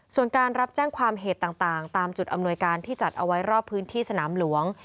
ส่วนการรับแจ้งความเหตุต่างตามจุดอำนวยการที่จัดเอาไว้รอบพื้นที่สนามหลวง